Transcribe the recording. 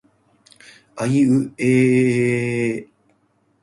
あいうえええええええ